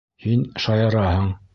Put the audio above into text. Һин шаяраһың.